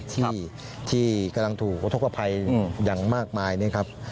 ที่กำลังถูกอุทธกภัยอย่างมากมายนะครับ